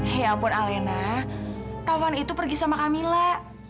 ya ampun alayna taufan itu pergi sama kamila